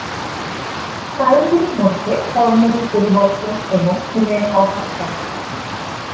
কারণগুলির মধ্যে হরমোনের পরিবর্তন এবং ঘুমের অভাব থাকতে পারে।